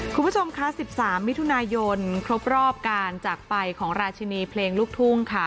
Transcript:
คุณผู้ชมคะ๑๓มิถุนายนครบรอบการจากไปของราชินีเพลงลูกทุ่งค่ะ